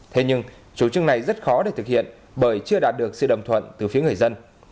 thế nhưng chủ trương này rất khó để thực hiện bởi chưa đạt được sự đồng thuận từ phía người dân